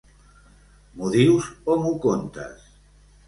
M'ho dius o m'ho contes?